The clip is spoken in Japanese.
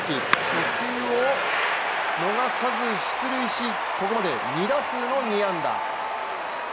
初球を逃さず出塁しここまで２打数の２安打。